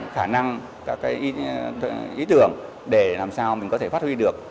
khả năng các cái ý tưởng để làm sao mình có thể phát huy được